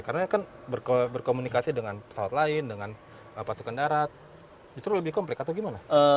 karena kan berkomunikasi dengan pesawat lain dengan pasukan darat justru lebih komplek atau gimana